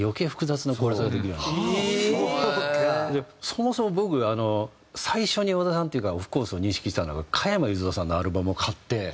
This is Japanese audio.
そもそも僕あの最初に小田さんっていうかオフコースを認識したのが加山雄三さんのアルバムを買って。